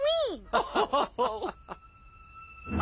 アハハハハ。